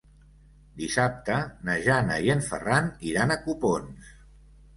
Dissabte na Jana i en Ferran iran a Copons.